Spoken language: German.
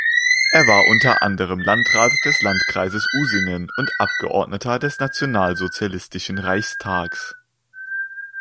Er war unter anderem Landrat des Landkreises Usingen und Abgeordneter des nationalsozialistischen Reichstags.